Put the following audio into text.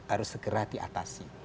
harus segera diatasi